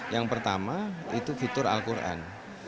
yang pertama itu fitur al quran